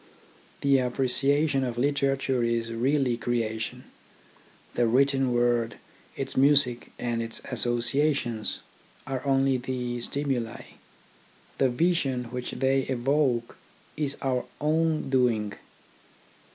The appreciation of literature is really creation. The written word, its music, and its associations, are only the stimuli. The vision which they evoke is our own doing.